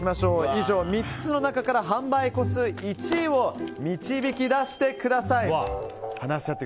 以上、３つの中から販売個数１位を導き出してください。